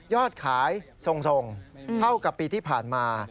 อดขายทรงเท่ากับปีที่ผ่านมา